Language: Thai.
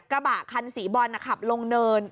กระบะคันสีบรอนกระบะขนวัวคับลงเนิน